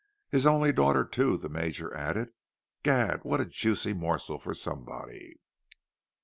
"His only daughter, too," the Major added. "Gad, what a juicy morsel for somebody!"